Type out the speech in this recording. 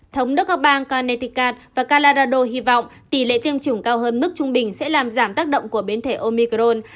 thống đất các bang connecticut và colorado hy vọng tỷ lệ tiêm chủng cao hơn mức trung bình sẽ làm giảm tác động của biến thể omicron